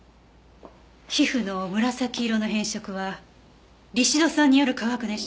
皮膚の紫色の変色はリシド酸による化学熱傷。